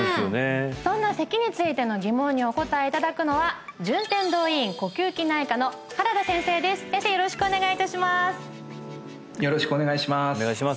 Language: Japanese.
そんな咳についての疑問にお答えいただくのは順天堂医院呼吸器内科の原田先生です先生よろしくお願いいたします